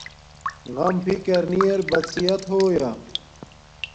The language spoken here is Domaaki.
غم فکر نی ار بد صحت ہویا